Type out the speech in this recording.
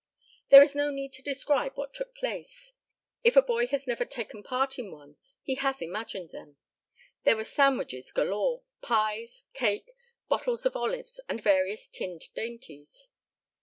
There is no need to describe what took place. If a boy has never taken part in one he has imagined them. There were sandwiches galore, pies, cake, bottles of olives and various tinned dainties.